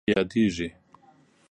میوندوال د غم په هغه ساندې کې یادیږي.